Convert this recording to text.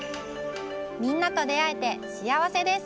みんなとであえて幸せです。